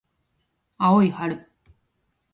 青い春